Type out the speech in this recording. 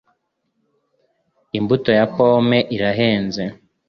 imbuto ya pomme irahenze